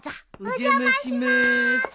お邪魔します。